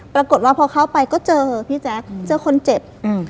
ปรากฏว่าพอเข้าไปก็เจอพี่แจ๊คเจอคนเจ็บอืม